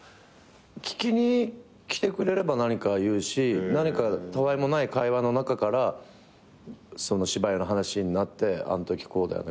聞きに来てくれれば何か言うしたわいもない会話の中から芝居の話になってあんときこうだよね